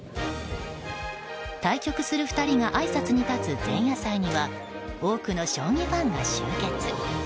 対局する２人があいさつに立つ前夜祭には多くの将棋ファンが集結。